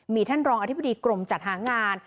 มีท่านรองอธิบดีกรมจัดหางาน